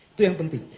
itu yang penting